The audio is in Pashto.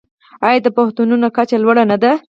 آیا د پوهنتونونو کچه یې لوړه نه ده؟